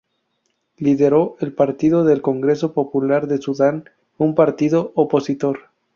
Lideró el Partido del Congreso Popular de Sudán, un partido opositor.